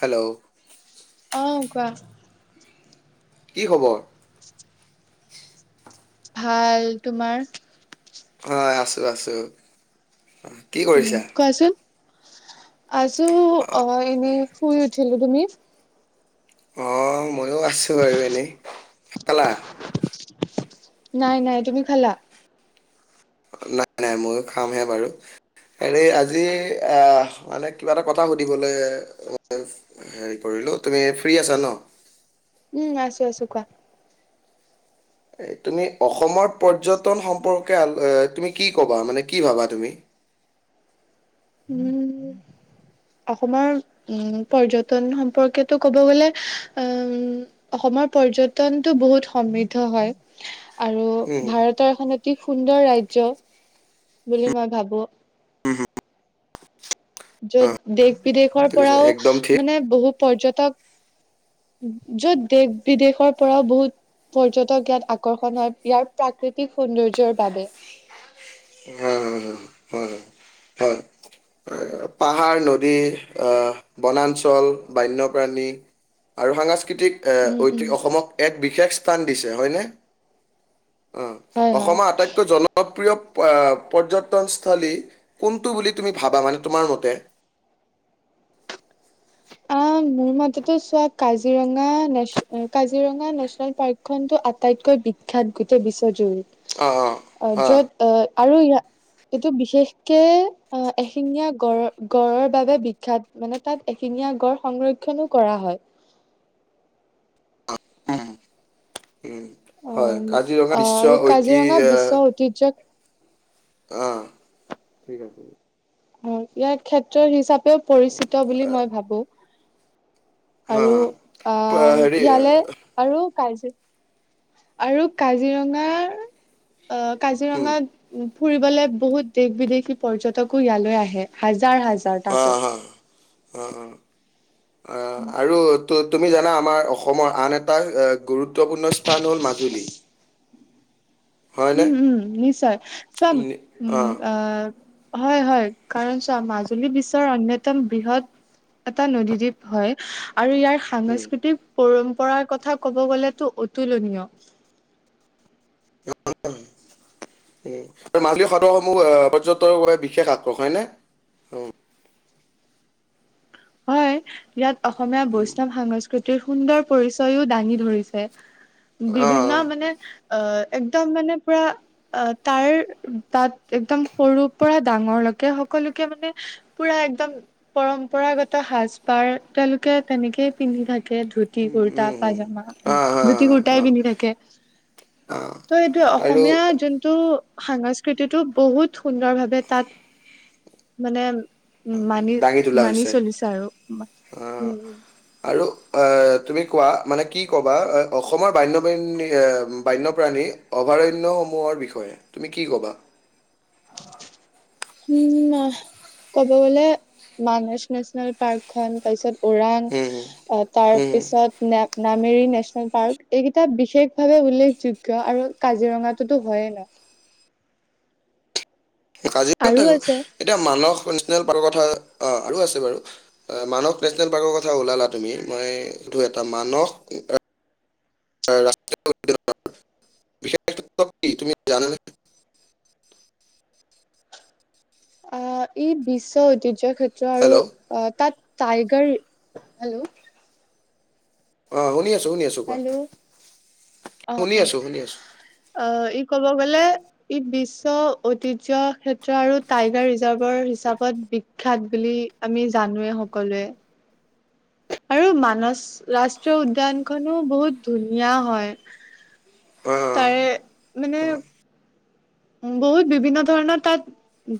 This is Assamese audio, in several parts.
হেল্লো'। অ', কোৱা। কি খবৰ? ভাল, তোমাৰ? আ, আছোঁ, আছোঁ, অহ। উম, কোৱাচোন আছো অহ এনেই শুই উঠিলো, তুমি? অ, মইয়ো আছো আৰু এনেই, [unintelligible] পালা। নাই, নাই তুমি খালা? নাই, নাই মইয়ো খামহে বাৰু। হেৰি আজি আহ, মানে কিবা এটা কথা সুধিবলৈ হেৰি কৰিলো, তুমি ফ্ৰী আছা ন? উম, আছো, আছো কোৱা। এই তুমি অসমৰ পযটন সম্পৰ্কে তুমি কি ক'বা মানে কি ভাবা তুমি? উম। অসমৰ উম, পৰ্যটন সম্পৰ্কেতো ক'ব গ'লে উম,। অসমৰ পৰ্যটনতটো বহুত সমৃদ্ধ হয়। আৰু উম ভাৰতৰ এখন অতি সুন্দৰ ৰাজ্য, বুলি মই ভাবো। উম, হুম। য'ত দেশ বিদেশৰ ঠিক আছে পৰাও একদম ঠিক। মানে বহু পৰ্যটক য'ত দেশ-বিদেশৰ পৰাও বহুত। পৰ্যটক ইয়াত আকৰ্ষণ হয়, ইয়াৰ প্ৰাকৃতিক সৌন্দৰ্যৰ বাবে। আহ হয় হয়। হয় পাহাৰ নদী আহ, বনাঞ্চল বান্যপ্ৰাণী। আৰু সাংস্কৃতিক উম উম। ঐতিক অসমক এক বিশেষ স্থান দিছে হয়নে। অহ, হয় হয়। অসমৰ আটাইতকৈ জন- প্ৰিয় পৰ্যটনস্থলী কোনটো বুলি তুমি ভাবা মানে, তোমাৰ মতে। অ মোৰ মতেতো চোৱা কাজিৰঙা নেচ কাজিৰঙা নেচনেল পাৰ্কখন টো আটাইতকৈ বিখ্যাত গোটেই বিশ্বজুৰি। অ, অ অ যত আহ আৰু ইয়াত, এইটো বিশেষকে অ এশিঙীয়া গডৰ গড়ৰ বাবে বিখ্যাত মানে তাত, এশিঙীয়া গড় সংৰক্ষনো কৰা হয়। উম উম হয় অম কাজিৰঙা বিশ্ব ঐতি কিজক অঁ। অ, ইয়াৰ ক্ষেত্ৰ হিচাপেও পৰিচিত বুলি মই ভাবো। অ আৰু অ হেৰি অ ইয়ালে আৰু কাইজ, আৰু কাজিৰঙাৰ আহ কাজিৰঙা, উম, ফুৰিবলৈ বহুত দেশ বিদেশী পৰ্যটকো ইয়ালৈ আহে। হাজাৰ হাজাৰ অ তাকো হ আঁ আৰু, ত তুমি জানা আমাৰ অসমৰ আন এটা, গুৰুত্বপূৰ্ণ স্থান হ'ল মাজুলী। হয়নে? উম উম, নিশ্চয় চাম নি উম অ', আ, হয় হয়, কাৰণ চোৱা মাজুলী বিশ্বৰ অন্যতম বৃহৎ, এটা নদীদ্বীপ হয় আৰু ইয়াৰ, উম, সাংস্কৃতিক পৰম্পৰাৰ কথা ক'ব গ'লেতো অতুলনীয়। [unintelligible] আৰু মাজুলী সত্ৰ সমূহ আহ পৰ্যটকৰ বাবে বিশেষ আকৰ্ষন হয় নে, হয়, ইয়াত অসমীয়া বৈষ্ণৱ সংস্কৃতিৰ সুন্দৰ পৰিচয়ও দাঙি ধৰিছে। বিভিন্ন অ', মানে অ একদম মানে পুৰা, অ তাৰ তাত একদম সৰুৰ পৰা ডাঙৰলৈকে সকলোকে মানে, পুৰা একদম, পৰম্পৰাগত সাজ পাৰ তেন্তে তেনেকে, পিন্ধি থাকে, ধুতি উম, কুুৰ্তা উম, উম, পাজামা অ', ধুতি অ', কুৰ্তাই অ', পিন্ধি থাকে। ত' এইটোৱে আৰু অসমীয়া যোনটো সংস্কৃতিটো বহুত সুন্দৰ ভাৱে তাত। মানে উ মানি দাঙি তোলা মানি হৈছে চলিছে আৰু উম। আৰু অ তুমি কোৱা মানে কি ক'বা অসমৰ বান্য বাহিনী, বন্যপ্ৰাণীৰ অভয়াৰণ্যসমূহৰ বিষয়ে তুমি কি ক'বা? [unintelligible] উম না, ক'ব গ'লে মানেশ নেচনেল পাৰ্ক খন তাৰ পিছত। ওৰাং, উম, হুম, উম, হুম। তাৰপিছত। নে নামেৰি নেশচনেল পাৰ্ক এইকেইটা বিশেষ ভাৱে উল্লেখযোগ্য আৰু কাজিৰঙাটোতো হয় ন। আৰু কাজিৰঙাত আছে এতিয়া মানস নেচনেল পাৰ্কৰ কথা অ আৰু আছে বাৰু। মানস নেচনেল পাৰ্কৰ কথা ওলালা, তুমি মই এইটো এটা মানস এ, ৰা [unintelligible] তুমি জানা অ, ই বিশ্ব ঐতিহ্যয়ৰ ক্ষেত্ৰ আৰু হেল্ল' অ তাত টাইগাৰ আৰু, অ শুনি আছো, শুনি আছো। হেল্ল' অ অ আছোঁ শুনি আছোঁ অ ই ক'ব গলে। ই, বিশ্ব ঐতিহ্য ক্ষেত্ৰ আৰু টাইগাৰ ৰিজাৰ্ভৰ হিচাপত, খ্যাত বুলি, আমি জানোৱেই সকলোৱে। আৰু মানচ, ৰাষ্ট্ৰীয় উদ্যানখনো বহুত ধুনীয়া হয় অঁ তাৰে, মানে বহুত বিভিন্ন ধৰণৰ তাত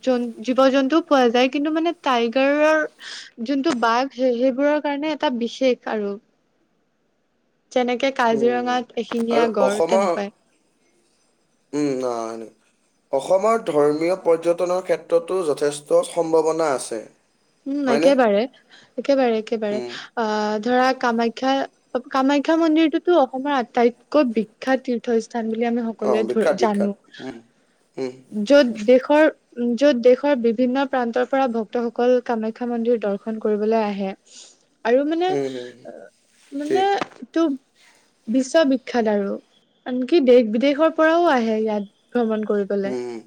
জন জীৱ-জন্তুও পোৱা যায়, কিন্তু মানে টাইগাৰৰ যোনটো বাঘ সেই সেইবোৰৰ কাৰণে এটা বিশেষ আৰু। যেনেকে উম। কাজিৰঙাত আৰু এশিঙীয়া গঁড় অসমৰ তেনেকুৱাই। উম ন [unintelligible] অসমৰ ধৰ্মীয় পৰ্যটনৰ ক্ষেত্ৰতো যথেষ্ট সম্ভাৱনা আছে। উম, হয়নে একেবাৰে, একেবাৰে-একেবাৰে উম, আহ ধৰা কামাখ্যা অ, কামাখ্যা মন্দিৰটোতো অসমৰ আটাইতকৈ বিখ্যাত তীৰ্থস্থান বুলি আমি অঁ সকলোৱে সকলোৱে ধৰ বিখ্যাত জানো। বিখ্যাত উম। য'ত দেশৰ উম, য'ত দেশৰ বিভিন্ন প্ৰান্তৰ পৰা ভক্তসকল কামাখ্যা মন্দিৰ দৰ্শন কৰিবলৈ আহে আৰু মানে, উম, উম, মানে ঠিক ইতুব বিশ্ববিখ্যাত আৰু, আনকি দেশ-বিদেশৰ পৰাও আহে ইয়াত ভ্ৰমণ কৰি উম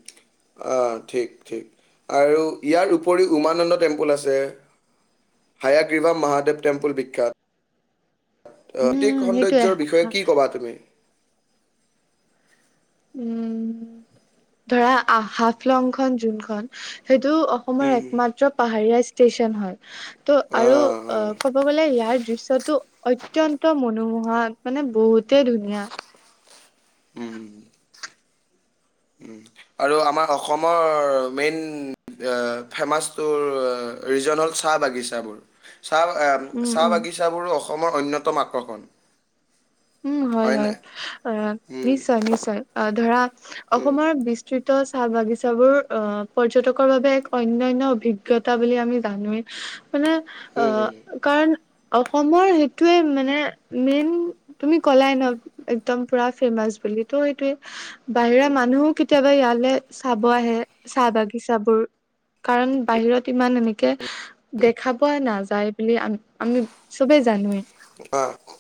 আঁ ঠিক, ঠিক। আৰু ইয়াৰ উপৰি উমানন্দ টেম্পুল আছে হায়াগ্ৰীবা মহাদেৱ টেম্পুল বিখ্যাত। অ, অতিক উম সেইটোয়ে সৌন্দৰ্যৰ বিষয়ে কি কবা তুমি? উম, ধৰা আহ, হাফলং খন যোনখন সেইটো অ অসমৰ উম, একমাত্ৰ পাহাৰীয়া ষ্টেচন হয় ত' অ, আৰু অ ক'ব গ'লে ইয়াৰ দৃশ্যটো অত্যন্ত মনোমোহা মানে বহুতে ধুনীয়া। উম, ত' আমাৰ অসমৰ মেইন অ 'ফেমাচ তোৰ ৰিজন হ'ল চাহ বাগিচাবোৰ। চাহ উম চাহ উম বাগিচাবোৰো অসমৰ অন্যতম আকৰ্ষণ। উম হয় হয়-হয়, নাই? আ উম, নিশ্চয়-নিশ্চয় আহ, ধৰা উম, অসমৰ বিচ খ্ৰৃত চাহ বাগিচাবোৰ আহ পৰ্যটকৰ বাবে এক অন্যন্য অভিজ্ঞতা বুলি আমি জানোৱেই মানে অ, উম, উম, কাৰণ অসমৰ সেইটোৱে মানে মেইন তুমি ক'লাই ন' একদম পুৰা ফেমাচ বুলি, ত' সেইটোৱে, বাহিৰা মানুহো কে কেতিয়াবা ইয়ালে, চাব আহে চাহ বাগিচাবোৰ কাৰণ, বাহিৰত ইমান এনেকে দেখা পোৱা নাযায় বুলি আম, আমি চবে জানোৱেই। আহ,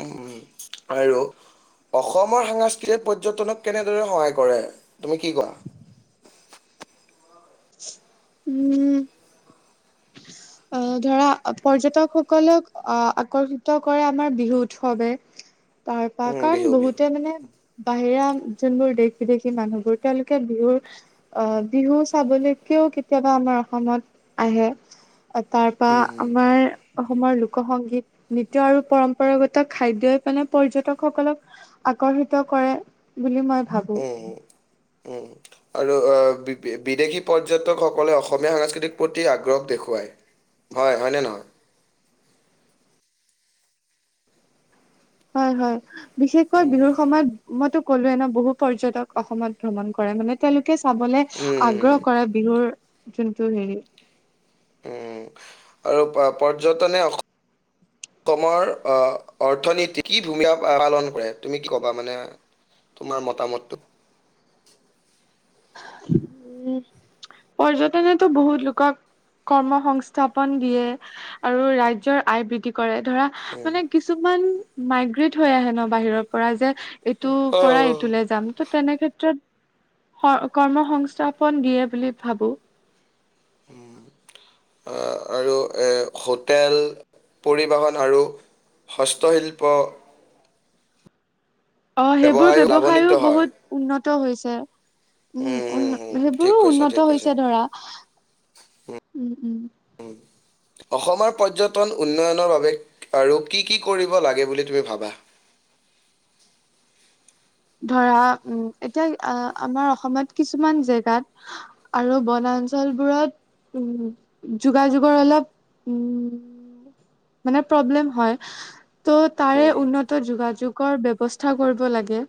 উম, আৰু অসমৰ সাঙাস্কৃতিয়ে পৰ্যটনক কেনেদৰে সহায় কৰে, তুমি কি কোৱা? উম, অ, ধৰা পৰ্যটকসকলক আ, আকৰ্ষিত কৰে আমাৰ বিহু উৎখবে, তাৰপা উম, কাৰণ বিহু বিহু বহুতে মানে বাহিৰা যোনবোৰ দেশ-বিদেশী মানুহবোৰ তেওঁলোকে বিহুৰ অ, বিহু চাবলৈকেও কেতিয়াবা আমাৰ অসমত আহে। তাৰপা, উম, উম, আমাৰ অসমৰ লোক সংগীত, নৃতয় আৰু পৰম্পৰাগত খাদ্যই মানে পৰ্যটক সকলক আকৰ্ষিত কৰে, বুলি মই ভাবো। উম, উম। আৰু বি- বিদেশী পৰ্যটকসকলে অসমীয়া সাংস্কৃতিক প্ৰতি আগ্ৰহ দেখুৱায়। হয়, হয় নে নহয়! হয়, হয়, বিশেষকৈ বিহুৰ সময়ত মইতো ক'লোৱে ন, বহু পৰ্যটক অসমত ভ্ৰমণ কৰে, মানে তেওঁলোকে চাবলে উম, আগ্ৰহ কৰে, বিহুৰ যোনটো হেৰি। উম, আৰু পৰ্যটনে অস অসমৰ আহ, অৰ্থনীতিত কি ভূমিকা পালন কৰে, তুমি কি ক'বা মানে তোমাৰ মতামতটো? উম, পৰ্যটনেতো বহুত লোকক কৰ্ম সংস্থাপন দিয়ে, আৰু ৰাজ্যৰ আয় বৃদ্ধি কৰে। ধৰা, উম। মানে কিছুমান মাইগ্ৰেট হৈ আহে ন, বাহিৰৰ পৰা যে এইটোৰ পৰা আহ, এইটোলে যাম। ত', তেনে ক্ষেত্ৰত কৰ্ম সংস্থাপন দিয়ে বুলি ভাবো। উম, আহ, আৰু হোটেল, পৰিবহণ আৰু হস্তশিল্প অ, সেইবোৰ লাভান্বিত ব্যৱসায়ো হয়। বহুত উন্নত হৈছে। উম, উন, উম, ঠিক সেইবোৰো কৈছা, ঠিক উন্নত কৈছা। হৈছে ধৰা উম। অসমৰ পৰ্যটন উন্নয়নৰ বাবে আৰু কি কি কৰিব লাগে বুলি তুমি ভাবা? ধৰা, উম, এতিয়া আমাৰ অসমত কিছুমান জেগাত আৰু বনাঞ্চলবোৰত উম, যোগাযোগৰ অলপ মানে প্ৰব্লেম হয়। ত', তাৰে উম, উন্নত যোগাযোগৰ ব্যৱস্থা কৰিব লাগে।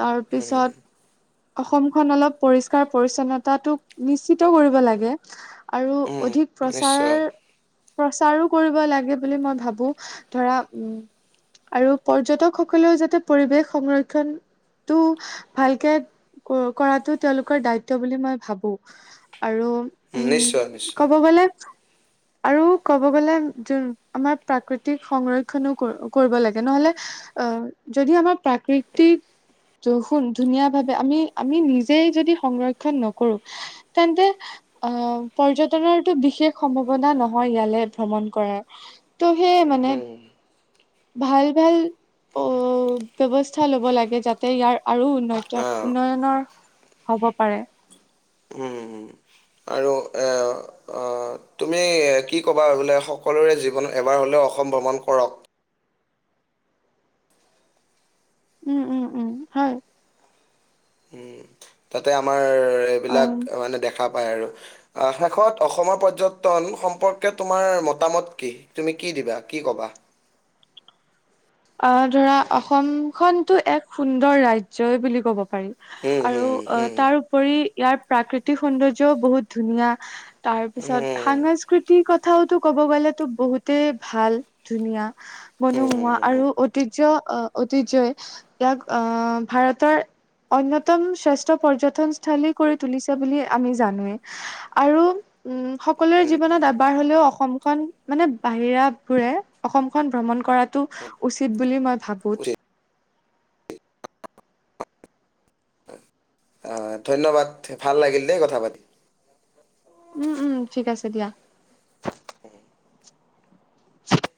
তাৰপিছত অসমখন অলপ পৰিষ্কাৰ-পৰিচন্নতাটোক নিশ্চিত কৰিব লাগে। আৰু উম, অধিক প্ৰচাৰ নিশ্চয়, প্ৰচাৰো কৰিব লাগে বুলি মই ভাবো। ধৰা, উম। আৰু পৰ্যটকসকলেও যাতে পৰিৱেশ সংৰক্ষণটো ভালকে কৰাটো তেওঁলোকৰ দায়িত্ব বুলি মই ভাবো। আৰু উম, নিশ্চয়, নিশ্চয়। ক'ব গ'লে আৰু ক'ব গ'লে [unintelligible] আমাৰ প্ৰাকৃতিক সংৰক্ষণো ক কৰিব লাগে, নহ'লে আহ, যদি আমাৰ প্ৰাকৃতিক ত, শুন, ধুনীয়া ভাৱে আমি-আমি নিজেই যদি সংৰক্ষণ নকৰো তেন্তে, অ, পৰ্যটনৰটো বিশেষ সম্ভাৱনা নহয় ইয়ালে ভ্ৰমণ কৰাৰ, ত', সেয়ে মানে ভাল-ভাল [inaudible] [unintelligible] ল'ব লাগে, যাতে ইয়াৰ আৰু উন্নত অ'। উন্নয়নৰ হ'ব পাৰে। উম, আৰু এ অ, তুমি কি ক'বা, বোলে সকলোৰে জীৱন এবাৰ হ'লেও অসম ভ্ৰমণ কৰক। উম, উম, উম, হয়। উম, যাতে আমাৰ অ এইবিলাক মানে দেখা পায় আৰু। অ, শেষত অসমৰ পৰ্যটন সম্পৰ্কে, তোমাৰ মতামত কি? তুমি কি দিবা, কি কবা? আহ ধৰা অসমখনতো এক সুন্দৰ ৰাজ্যই বুলি ক'ব পাৰি। উম আৰু হম অ উম তাৰ উপৰি ইয়াৰ প্ৰাকৃতিক সৌন্দৰ্যও বহুত ধুনীয়া। তাৰ পিছত উম সাংস্কৃতিৰ কথাওতো ক'ব গ'লেতো বহুতেই ভাল। ধুনীয়া উম উম মনোমোহা উম ঐতিজ্য আহ ঐতিজ্যই ইয়াক আহ ভাৰতৰ। অন্যতম শ্ৰেষ্ঠ পৰ্যটনস্থলী কৰি তুলিছে বুলি আমি জনোৱে আৰু উম। সকলোৰে জীৱনত আবাৰ হ'লেও অসমখনন মানে বাহিৰা বোৰে অসমখন ভ্ৰমণ কৰাত। টো উচিত বুলি মই ভাবোত। উচিত আ ধন্যবাদ ভাল লাগিল দেই কথা পাতি। উম উম ঠিক আছে দিয়া। উম। [unintelligible]